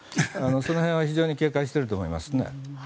その辺は非常に警戒していると思いますね。